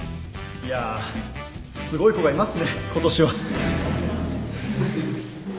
いやすごい子がいますねことしは